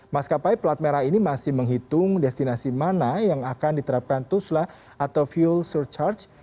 maskapai pelat merah ini masih menghitung destinasi mana yang akan diterapkan tusla atau fuel surcharge